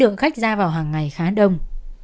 lượng khách ra vào hàng ngày khá đông